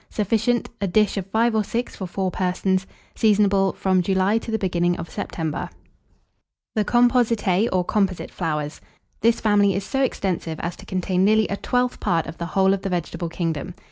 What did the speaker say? Sufficient, a dish of 5 or 6 for 4 persons. Seasonable from July to the beginning of September. [Illustration: CARDOON ARTICHOKE.] THE COMPOSITAE, OR COMPOSITE FLOWERS. This family is so extensive, as to contain nearly a twelfth part of the whole of the vegetable kingdom.